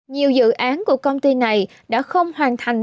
nhiều dự án của công ty này đã không hoàn thành